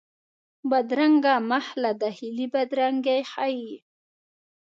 بدرنګه مخ له داخلي بدرنګي ښيي